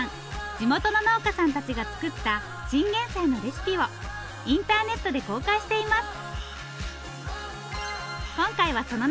地元の農家さんたちが作ったチンゲンサイのレシピをインターネットで公開しています。